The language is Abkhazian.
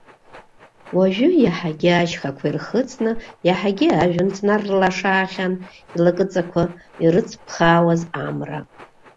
Уажәы иаҳагьы ашьхақәа ирхыҵны, иаҳагьы ажәҩан ҵнарлашаахьан илакыҵақәа ирыҵԥхаауаз амра.